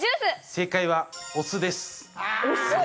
正解はお酢です